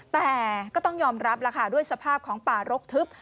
แต่ก็ต้องยอมรับแล้วค่ะด้วยสภาพของป่ารกทึบ